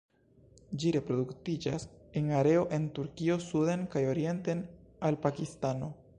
Ĝi reproduktiĝas en areo el Turkio suden kaj orienten al Pakistano.